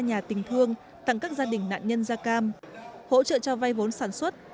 nhà tình thương tặng các gia đình nạn nhân da cam hỗ trợ cho vay vốn sản xuất